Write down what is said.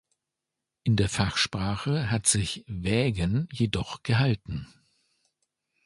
In der Fachsprache hat sich "wägen" jedoch gehalten.